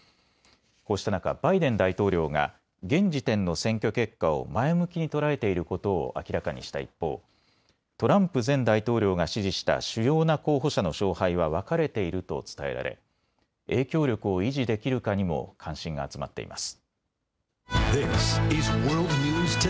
こうした中、バイデン大統領が現時点の選挙結果を前向きに捉えていることを明らかにした一方、トランプ前大統領が支持した主要な候補者の勝敗は分かれていると伝えられ影響力を維持できるかにも関心が集まっています。